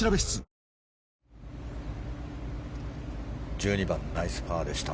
１２番ナイスパーでした。